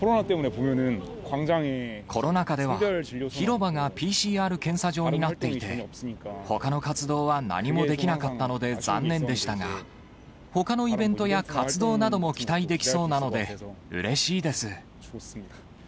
コロナ禍では広場がＰＣＲ検査場になっていて、ほかの活動は何もできなかったので残念でしたが、ほかのイベントや活動なども期待できそうなのでうれしいです。